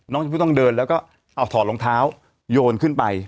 น้องชมพู่ต้องเดินแล้วก็เอาถอดรองเท้าโยนขึ้นไป